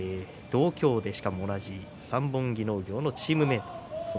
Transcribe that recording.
同郷でしかも同じ三本木農業のチームメートです。